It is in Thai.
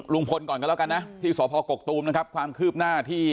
ลุงพลก่อนก็แล้วกันนะที่สพกกตูมนะครับความคืบหน้าที่